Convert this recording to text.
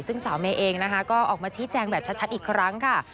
ซึ่งสาวเมย์เองนะคะก็ออกมาชี้แจงแบบชัดอีกครั้งค่ะ